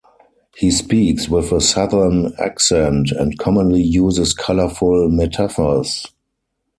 He speaks with a southern accent and commonly uses colorful metaphors.